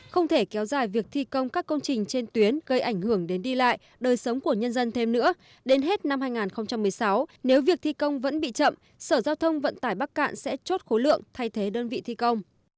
không thể kéo dài việc thi công các công trình trên tuyến gây ảnh hưởng đến đi lại đời sống của nhân dân thêm nữa đến hết năm hai nghìn một mươi sáu nếu việc thi công vẫn bị chậm sở giao thông vận tải bắc cạn sẽ chốt khối lượng thay thế đơn vị thi công